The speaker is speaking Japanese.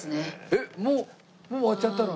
えっもう終わっちゃったの？